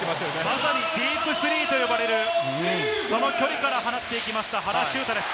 まさにディープスリーと言われるその距離から放っていきました原修太です。